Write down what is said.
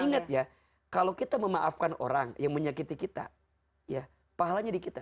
dan inget ya kalau kita memaafkan orang yang menyakiti kita ya pahalanya di kita